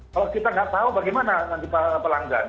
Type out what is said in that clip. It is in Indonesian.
kalau kita tidak tahu bagaimana nanti pelanggan